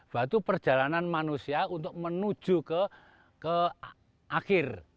bahwa itu perjalanan manusia untuk menuju ke akhir